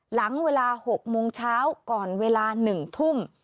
หลังเวลา๖โมงเช้าก่อนเวลา๑ทุ่ม